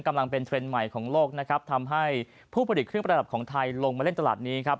กำลังเป็นเทรนด์ใหม่ของโลกนะครับทำให้ผู้ผลิตเครื่องประดับของไทยลงมาเล่นตลาดนี้ครับ